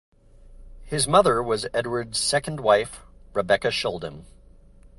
His mother was Edward's second wife Rebecca Shuldam.